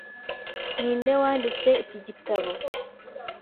Ninde wanditse iki gitabo?